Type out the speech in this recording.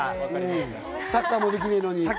サッカーもできねえのに。